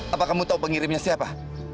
apa kamu tahu pengirimnya siapa